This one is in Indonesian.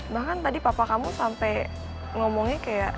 bahkan tadi papa kamu sampai ngomongnya kayak